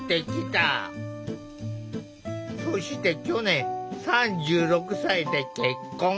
そして去年３６歳で結婚。